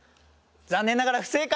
残念ながら不正解！